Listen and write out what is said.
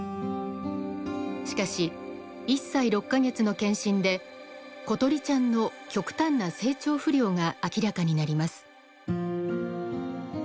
しかし１歳６か月の健診で詩梨ちゃんの極端な成長不良が明らかになります。